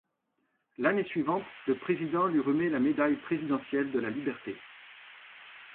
L'année suivante, le président lui remet la médaille présidentielle de la Liberté.